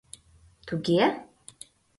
Туге?»